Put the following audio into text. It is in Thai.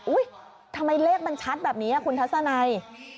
ทำไมเลขมันชัดแบบนี้คุณทัศนัย